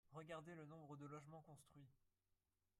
Regardez le nombre de logements construits